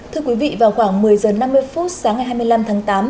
thưa quý vị vào khoảng một mươi h năm mươi phút sáng ngày hai mươi năm tháng tám